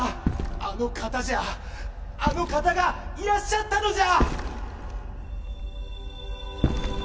あの方じゃあの方がいらっしゃったのじゃ！